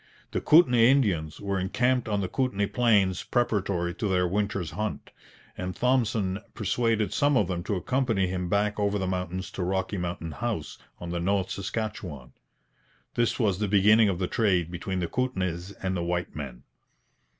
The Kootenay Indians were encamped on the Kootenay plains preparatory to their winter's hunt, and Thompson persuaded some of them to accompany him back over the mountains to Rocky Mountain House on the North Saskatchewan. This was the beginning of the trade between the Kootenays and white men.